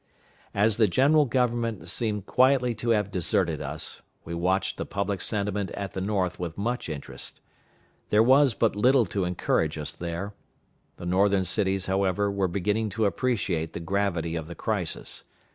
As the General Government seemed quietly to have deserted us, we watched the public sentiment at the North with much interest. There was but little to encourage us there. The Northern cities, however, were beginning to appreciate the gravity of the crisis.